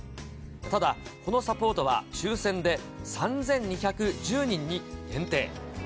ただ、このサポートは抽せんで３２１０人に限定。